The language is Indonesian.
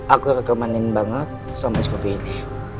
aku rekamanin banget sama es kopi ini